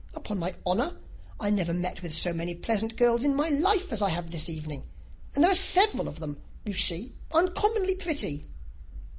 Upon my honour, I never met with so many pleasant girls in my life as I have this evening; and there are several of them, you see, uncommonly pretty."